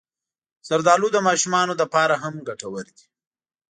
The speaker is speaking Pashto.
زردالو د ماشومانو لپاره هم ګټور دی.